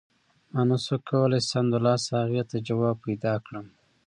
ما نه شو کولای سمدلاسه هغې ته ځواب پیدا کړم.